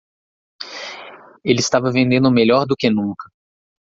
Ele estava vendendo melhor do que nunca.